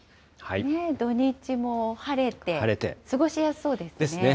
土日も晴れて、過ごしやすそうですね。